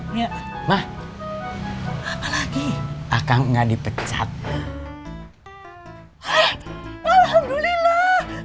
mah apa lagi akan enggak dipecat hai alhamdulillah